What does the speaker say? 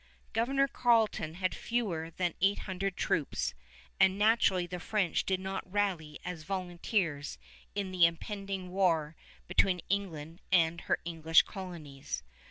Governor Carleton had fewer than 800 troops, and naturally the French did not rally as volunteers in the impending war between England and her English colonies.